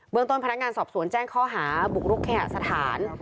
เมืองต้นพนักงานสอบสวนแจ้งข้อหาบุกรุกเคหสถาน